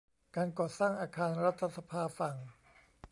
การก่อสร้างอาคารรัฐสภาฝั่ง